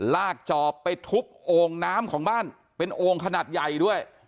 ลากจอบไปทุบโอ่งน้ำของบ้านเป็นโอ่งขนาดใหญ่ด้วย